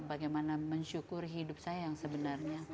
bagaimana mensyukur hidup saya yang sebenarnya